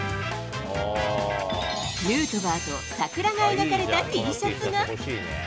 ヌートバーと桜が描かれたＴシャツが。